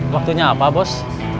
waktunya apa bos